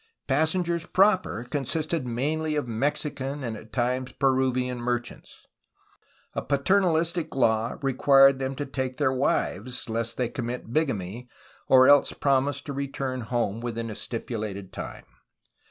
Passengers proper consisted mainly of Mexican and at times Peruvian merchants. A paternalistic law required them to take their wives, lest they commit bigamy, or else to promise to return home within a stipulated time.